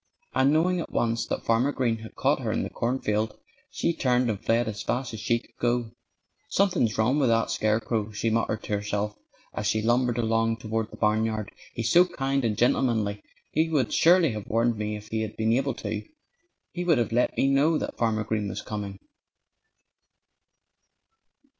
And knowing at once that Farmer Green had caught her in the cornfield she turned and fled as fast as she could go. "Something's wrong with that scarecrow," she muttered to herself as she lumbered along toward the barnyard. "He's so kind and gentlemanly he would surely have warned me if he had been able to. He would have let me know that Farmer Green was coming."